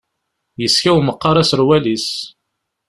Yeskaw meqqar aserwal-is.